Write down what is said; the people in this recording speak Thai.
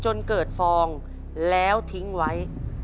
จนเกิดฟองแล้วทิ้งไว้